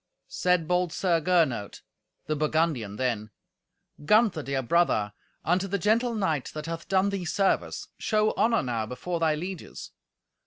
Said bold Sir Gernot, the Burgundian, then, "Gunther, dear brother, unto the gentle knight, that hath done thee service, show honour now before thy lieges.